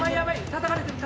たたかれてるぞ。